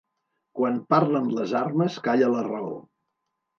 Quan parlen les armes calla la raó.